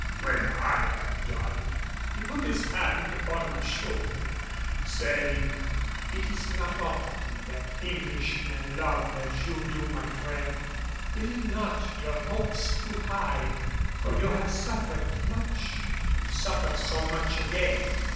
When I had done, he put his hand upon my shoulder, saying, "It is not often that Englishmen love as do you, my friend. Build not your hopes too high, for you have suffered much to suffer so much again.